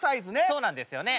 そうなんですよね。